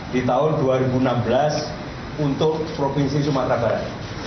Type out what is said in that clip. di tahun dua ribu enam belas untuk provinsi sumatera barat